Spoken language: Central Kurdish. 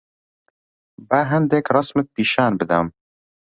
با هەندێک ڕەسمت پیشان بدەم.